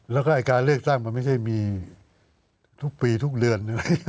แล้วก็การเลือกตั้งมันไม่ใช่มีทุกปีทุกเดือน